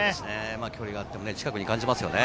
距離があっても近くに感じますよね。